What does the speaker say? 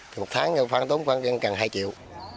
thì một tháng khoan tốn khoan gần hai triệu